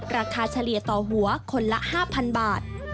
เฉลี่ยต่อหัวคนละ๕๐๐บาท